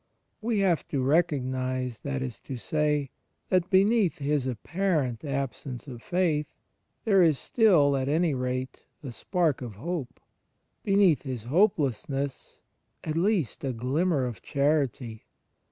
We have to recognize, that is to say, that beneath his apparent absence of faith there is still, at any rate, a spark of hope; beneath his hopelessness, at least a glimmer of charity.